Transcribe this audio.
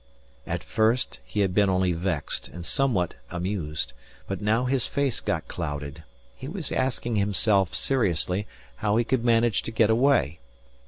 At first he had been only vexed and somewhat amused. But now his face got clouded. He was asking himself seriously how he could manage to get away.